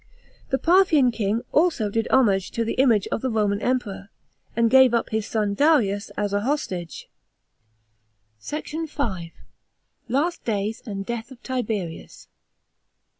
The Parthian king also did homage to the imaiie of the Roman Emperor, and gave up his son Darius as a '. V. — LAST DAYS AND DEATH OF TIBERIUS.